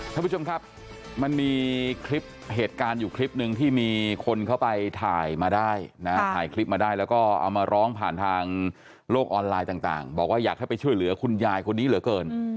ท่านผู้ชมครับมันมีคลิปเหตุการณ์อยู่คลิปหนึ่งที่มีคนเข้าไปถ่ายมาได้นะถ่ายคลิปมาได้แล้วก็เอามาร้องผ่านทางโลกออนไลน์ต่างบอกว่าอยากให้ไปช่วยเหลือคุณยายคนนี้เหลือเกิน